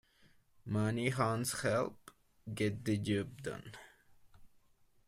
Many hands help get the job done.